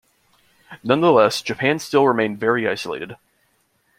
Nonetheless, Japan still remained very isolated.